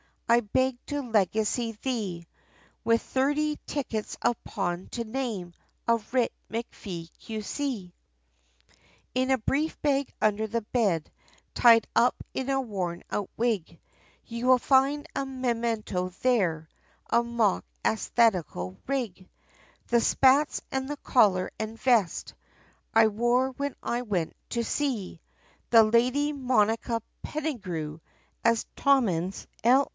I beg to legacy thee, With thirty tickets of pawn to name, of Writ MacFee, Q.C. In a brief bag under the bed, tied up in a worn out wig, You will find a memento there, of mock æsthetical rig, The spats and the collar and vest, I wore when I went to see, The Lady Monica Pendigrew, as Tommins, L.